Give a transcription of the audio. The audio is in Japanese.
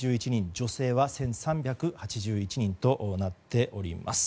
女性は１３８１人となっております。